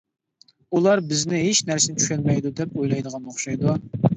ئۇلار بىزنى ھېچ نەرسىنى چۈشەنمەيدۇ دەپ ئويلايدىغان ئوخشايدۇ.